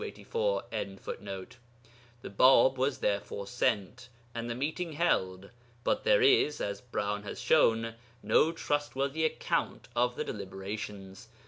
] The Bāb was therefore sent, and the meeting held, but there is (as Browne has shown) no trustworthy account of the deliberations.